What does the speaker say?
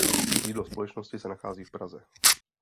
Sídlo společnosti se nachází v Praze.